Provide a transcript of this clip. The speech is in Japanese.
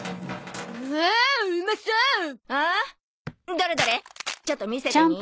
どれどれちょっと見せてみ。